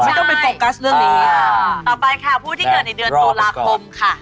ต่อไปค่ะผู้ที่เกิดในเดือนตุลาคมค่ะ